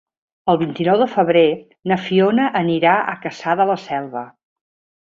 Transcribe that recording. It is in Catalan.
El vint-i-nou de febrer na Fiona anirà a Cassà de la Selva.